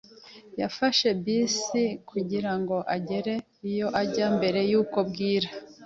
Nafashe bisi kugira ngo ngere iyo njya mbere yuko bwira.